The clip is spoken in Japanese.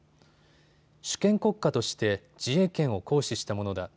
主権国家として自衛権を行使したものだ。